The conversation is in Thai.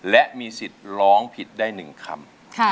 และมีสิทธิ์ร้องผิดได้๑คำ